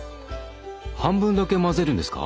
半分だけ混ぜるんですか？